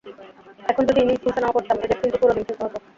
এখন যদি ইনিংস ঘোষণাও করতাম, ওদের কিন্তু পুরো দিন খেলতে হতো।